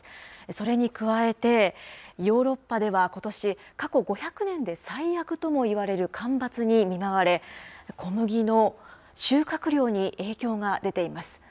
それに加えて、ヨーロッパではことし、過去５００年で最悪ともいわれる干ばつに見舞われ、小麦の収穫量に影響が出ています。